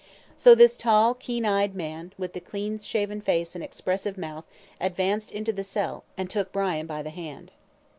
So this tall, keen eyed man, with the clean shaven face and expressive mouth, advanced into the cell, and took Brian by the hand.